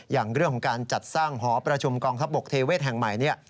อย่างเรื่องของการจัดสร้างหอประชุมกองทัพบกเทเวศแห่งใหม่เนี่ย